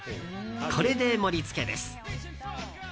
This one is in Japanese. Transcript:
これで盛り付けです。